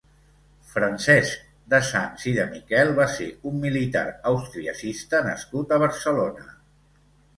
Francesc de Sanç i de Miquel va ser un militar austriacista nascut a Barcelona.